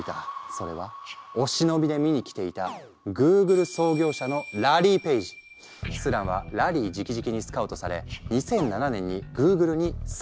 それはお忍びで見に来ていたスランはラリーじきじきにスカウトされ２００７年にグーグルに参画。